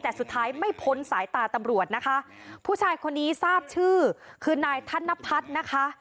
แต่สุดท้ายไม่พ้นสายตาตำรวจนะคะผู้ชายคนนี้ทราบชื่อคือนายธนพัฒน์นะคะ